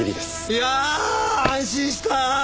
いや安心した！